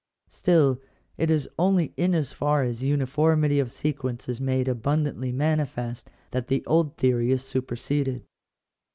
Still, it is only in as far as uniformity of sequence is made abundantly manifest, that the old theory is superseded.